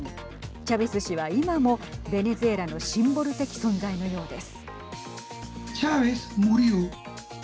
チャベス氏は今もベネズエラのシンボル的存在のようです。